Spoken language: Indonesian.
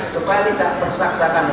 supaya bisa bersaksakan